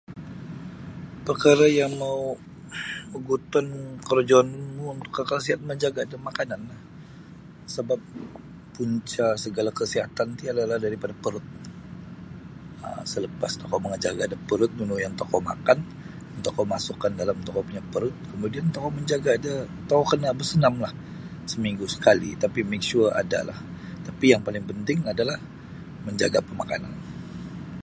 Pakara yang mau ogutan korojononmu kakal sihat manjaga da makananlah sebap punca segala kesihatan ti ialah daripada perut um. Selepas tokou mangajaga da perut nunu yang tokou makan yang tokou masukkan dalam tokou punya perut kemudian tokou manjaga da tokou kena bersenamlah seminggu sekali make sure adalah tapi yang paling penting adalah menjaga pemakanan.